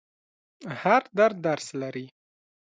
هر درد درس لري.